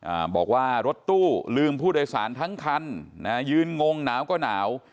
อ่าบอกว่ารถตู้ลืมผู้โดยสารทั้งคันนะฮะยืนงงหนาวก็หนาว